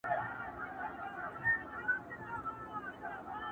o په خندا پسې ژړا سته!